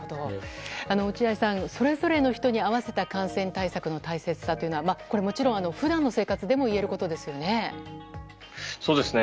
落合さん、それぞれの人に合わせた感染対策の大切さというのはこれもちろん普段の生活でもいえることですよね。